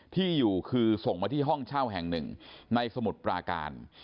ที่อยู่คือส่งมาที่ห้องเช่าแห่งหนึ่งในสมุทรปราการ